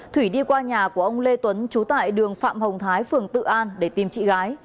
thủy đi qua nhà của ông lê tuấn trú tại đường phạm hồng thái phường tự an để tìm chị gái